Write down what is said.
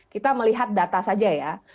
kita melihat data saja ya